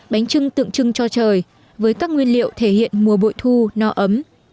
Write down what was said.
bánh trưng tượng trưng cho trời với các nguyên liệu thể hiện mùa bội thu no ấm